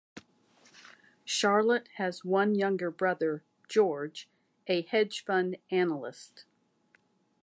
Charlotte has one younger brother, George, a hedge-fund analyst.